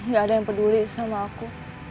gak ada yang peduli sama aku